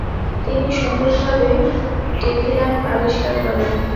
তিনি সফল ভাবে ডেভি ল্যাম্প আবিষ্কার করেন।